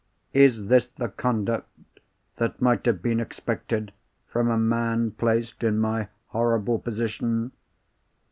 Is this the conduct that might have been expected from a man placed in my horrible position?